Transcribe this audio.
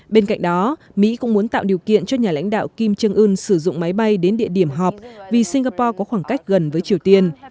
bên cạnh đó mỹ cũng muốn tạo điều kiện cho nhà lãnh đạo kim trương ưn sử dụng máy bay đến địa điểm họp vì singapore có khoảng cách gần với triều tiên